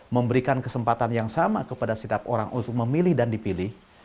memberikan kesempatan yang sama kepada setiap orang untuk memilih dan dipilih